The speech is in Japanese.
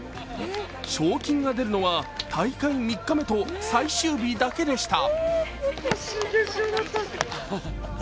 賞金が出るのは大会３日目と最終日だけでした。